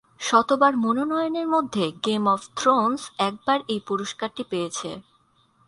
সাতবার মনোনয়নের মধ্যে "game of Thrones" একবার এই পুরস্কারটি পেয়েছে।